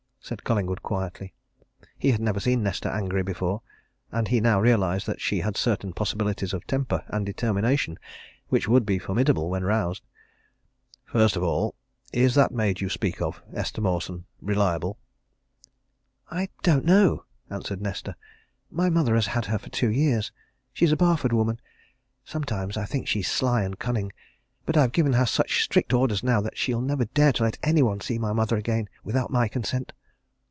said Collingwood quietly. He had never seen Nesta angry before, and he now realized that she had certain possibilities of temper and determination which would be formidable when roused. "First of all, is that maid you speak of, Esther Mawson, reliable?" "I don't know!" answered Nesta. "My mother has had her two years she's a Barford woman. Sometimes I think she's sly and cunning. But I've given her such strict orders now that she'll never dare to let any one see my mother again without my consent."